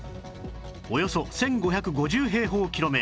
およそ１５５０平方キロメートル